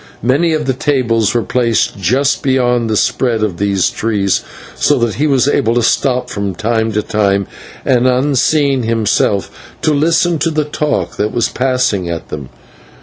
Many of the tables were placed just beyond the spread of these trees, so that he was able to stop from time to time and, unseen himself, to listen to the talk that was passing at them.